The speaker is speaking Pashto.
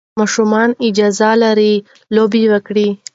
ماشومان اجازه لري لوبې وکړي.